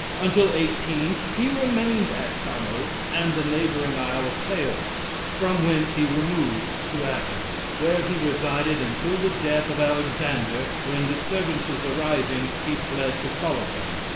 Until eighteen, he remained at Samos and the neighboring isle of Teos; from whence he removed to Athens, where he resided until the death of Alexander, when, disturbances arising, he fled to Colophon.